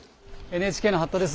ＮＨＫの八田です。